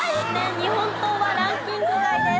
日本刀はランキング外です。